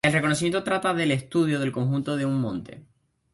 El reconocimiento trata del estudio del conjunto de un monte.